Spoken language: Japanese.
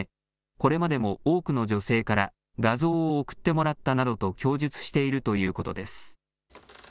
これまでも多くの女性から画像を送ってもらったなどと供述しているということです。